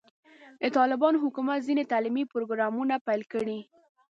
د طالبانو حکومت ځینې تعلیمي پروګرامونه پیل کړي.